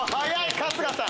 春日さん。